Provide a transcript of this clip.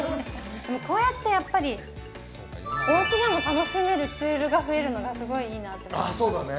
こうやってやっぱり、おうちでも楽しめるツールが増えるのが、すごいいいなと思いましそうだね。